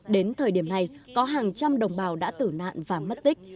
đến thời điểm này có hàng trăm đồng bào đã tử nạn và mất tích